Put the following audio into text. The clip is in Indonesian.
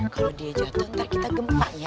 kalau dia jatuh ntar kita gempa ya